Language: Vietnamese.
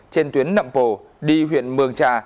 trên tuyến nậm pồ đi huyện mường trà